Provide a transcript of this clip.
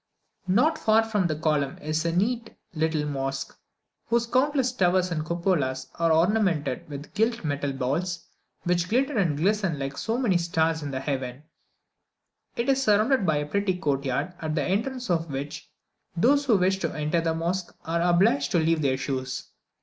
Not far from the column is a neat little mosque, whose countless towers and cupolas are ornamented with gilt metal balls, which glitter and glisten like so many stars in the heavens. It is surrounded by a pretty court yard, at the entrance of which those who wish to enter the mosque are obliged to leave their shoes.